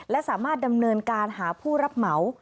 และสามารถดำเนินการหาผู้รับเหมา